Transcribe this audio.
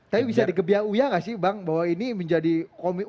tapi bisa dikebiau ya gak sih bang bahwa ini menjadi komik